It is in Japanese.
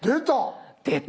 出た！